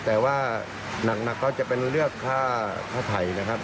แต่ว่าหนักก็จะเป็นเรื่องค่าไถ่นะครับ